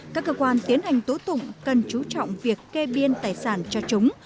các cơ quan tiến hành tố tụng cần chú trọng việc kê biên tài sản cho chúng